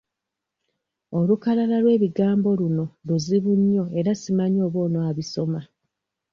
Olukalala lw'ebigambo luno luzibu nnyo era simanyi oba onaabisoma.